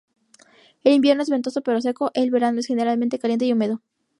El invierno es ventoso pero seco, el verano es generalmente caliente y húmedo.